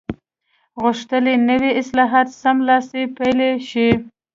غوښتل یې نوي اصلاحات سملاسي پلي شي.